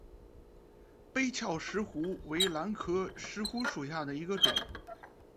杯鞘石斛为兰科石斛属下的一个种。